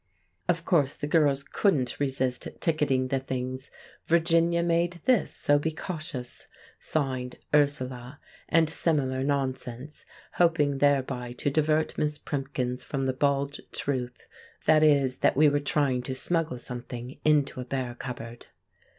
Of course the girls couldn't resist ticketing the things "Virginia made this, so be cautious! (Signed) Ursula," and similar nonsense, hoping thereby to divert Miss Primkins from the bald truth, viz., that we were trying to smuggle something into a bare cupboard!